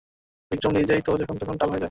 বিক্রম নিজেই তো যখন-তখন টাল হয়ে যায়!